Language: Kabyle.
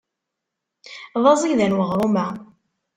D aẓidan weɣrum-a.